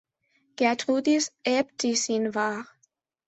Gertrudis, Äbtissin war.